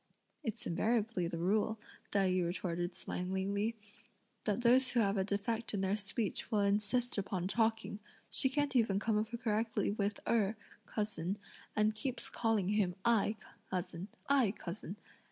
"It's invariably the rule," Tai yü retorted smilingly, "that those who have a defect in their speech will insist upon talking; she can't even come out correctly with 'Erh' (secundus) cousin, and keeps on calling him 'Ai' cousin, 'Ai' cousin!